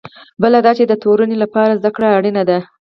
بله دا چې د تورنۍ لپاره زده کړې اړینې دي.